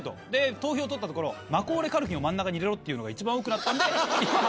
投票をとったところマコーレー・カルキンを真ん中に入れろっていうのが一番多くなったんで。